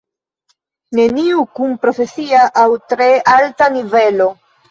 Neniu kun profesia aŭ tre alta nivelo.